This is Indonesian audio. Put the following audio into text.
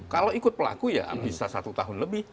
kalau ikut pelaku ya bisa satu tahun lebih